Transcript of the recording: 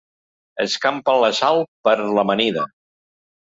Escampem la sal per l'amanida.